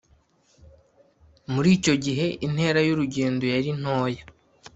muri icyo gihe intera y urugendo yari ntoya